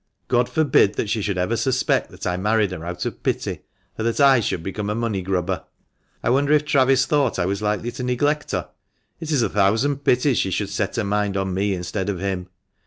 God forbid that she should ever suspect that I married her out of pity, or that I should become a money grubber. I wonder if Travis thought I was likely to neglect her ? It is a thousand pities she should set her mind on me instead of him.